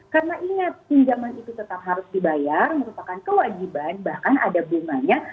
karena ingat pinjaman itu tetap harus dibayar merupakan kewajiban bahkan ada bunganya